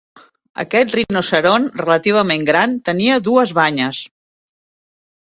Aquest rinoceront relativament gran tenia dues banyes.